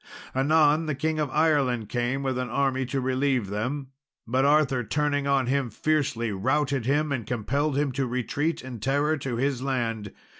Anon the King of Ireland came with an army to relieve them; but Arthur, turning on him fiercely, routed him, and compelled him to retreat in terror to his land.